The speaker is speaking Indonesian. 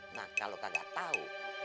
nah kalau kagak tau